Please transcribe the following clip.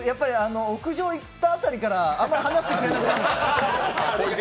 屋上行った辺りから話してくれなくなって。